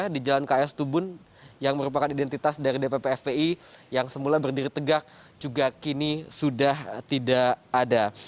di jalan ks tubun yang merupakan identitas dari dpp fpi yang semula berdiri tegak juga kini sudah tidak ada